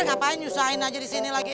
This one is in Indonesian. ngapain usahain aja di sini lagi ya